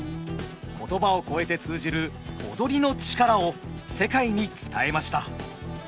言葉を超えて通じる踊りの力を世界に伝えました。